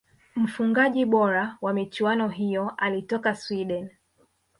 mfungaji bora wa michuano hiyo alitoka swideni